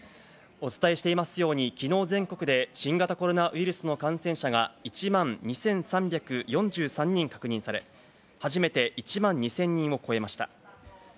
お伝えしていますように、昨日、全国で新型コロナウイルスの感染者が１万２３４３人確認され、初めて１万２０００人を超えました。